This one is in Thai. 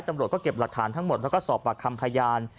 ตำรวจก็เก็บหลักฐานทั้งหมดแล้วก็สอบปากคำพยาน